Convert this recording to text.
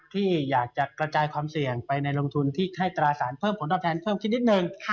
ที่อยากจะกระจายความเสี่ยงไปในลงทุนที่ให้ตราสารเพิ่มผลตอบแทนเพิ่มขึ้นนิดนึง